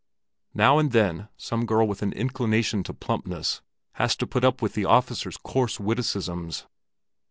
Now and then some girl with an inclination to plumpness has to put up with the officers' coarse witticisms.